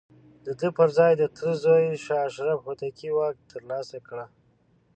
د ده پر ځاى د ده تره زوی شاه اشرف هوتکي واک ترلاسه کړ.